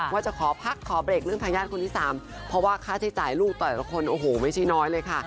ว่าจะขอพักขอเบรกเรื่องทายาทคนที่สามเพราะว่าค่าใช้จ่ายลูกแต่ละคนโอ้โหไม่ใช่น้อยเลยค่ะ